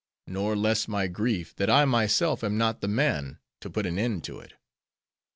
Nor less my grief, that I myself am not the man, to put an end to it.